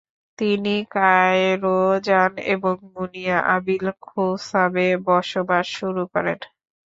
তিনি কায়রো যান এবং মুনিয়া আবিল খুসাবে বসবাস শুরু করেন।